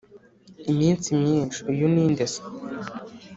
iminsi myinshi, uyu ninde se?”